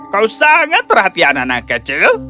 kau sangat perhatian anak anak kecil